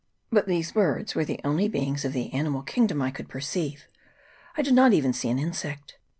But these birds were the only beings of the animal king dom I could perceive : I did not even see an insect.